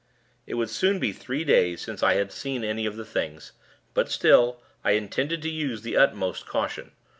It would soon be three days since I had seen any of the Things; but still, I intended to use the utmost caution.